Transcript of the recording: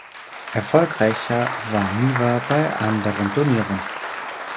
Erfolgreicher war Niva bei anderen Turnieren.